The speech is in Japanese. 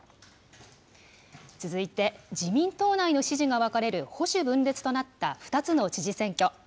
続いて自民党内の支持が分かれる保守分裂の２つの知事選挙。